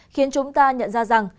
khiến chúng ta nhận ra rằng